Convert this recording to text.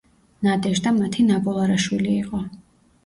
ნადეჟდა მათი ნაბოლარა შვილი იყო.